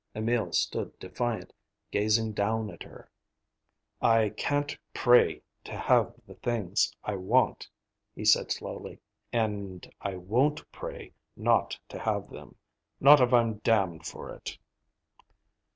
Emil stood defiant, gazing down at her. "I can't pray to have the things I want," he said slowly, "and I won't pray not to have them, not if I'm damned for it."